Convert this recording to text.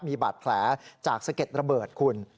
มีบาดแผลจากสะเก็ดระเบิดคุณ